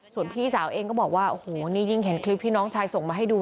ส่วนพี่สาวเองก็บอกว่าโอ้โหนี่ยิ่งเห็นคลิปที่น้องชายส่งมาให้ดู